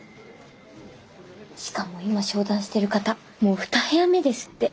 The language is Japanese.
しかも今商談してる方もう２部屋目ですって。